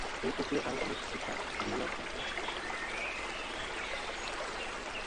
এই প্রক্রিয়ায় আরও অনেক শিখ গুরুদুয়ারা ধ্বংস হয়ে যায়।